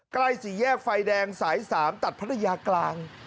ใกล้สี่แยกไฟแดงสาย๓ตัดพัทยากลาง